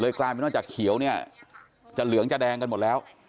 กลายเป็นว่าจากเขียวเนี่ยจะเหลืองจะแดงกันหมดแล้ว